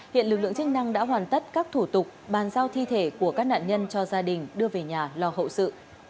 hiện lực lượng chức năng đã hoàn tất các thủ tục bàn giao thi thể của các nạn nhân cho gia đình đưa về nhà lo hậu sự